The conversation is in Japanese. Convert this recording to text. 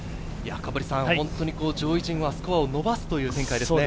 本当に上位陣はスコアを伸ばすという展開ですね。